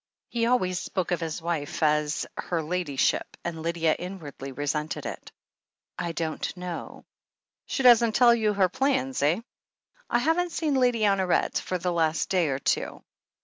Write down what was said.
He always spoke of his wife as "her Ladyship," and Lydia inwardly resented it. "I don't know." "She doesn't tell you her plans, eh?" "I haven't seen Lady Honoret for the last day or two."